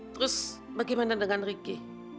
terus bagaimana dengan ricky